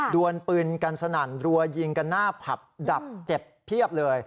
วนปืนกันสนั่นรัวยิงกันหน้าผับดับเจ็บเพียบเลย